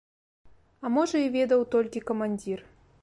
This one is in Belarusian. А можа, і ведаў толькі камандзір.